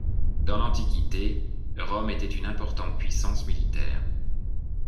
Dans l'Antiquité, Rome était une importante puissance militaire.